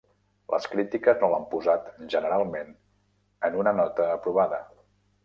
Les crítiques no l'han posat generalment en una nota aprovada.